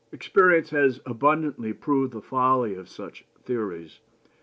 Experience has abundantly proved the folly of such theories.